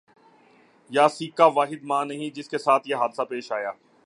یاسیکا واحد ماں نہیں جس کے ساتھ یہ حادثہ پیش آیا